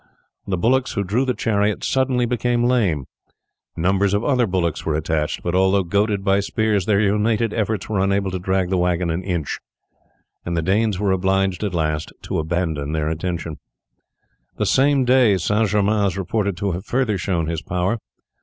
The bullocks who drew the chariot suddenly became lame; numbers of other bullocks were attached, but although goaded by spears their united efforts were unable to drag the wagon an inch, and the Danes were obliged at last to abandon their intention. The same day St. Germain is reported to have further shown his power.